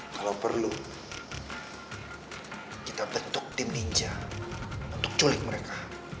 kalau perlu kita bentuk tim ninja untuk culik mereka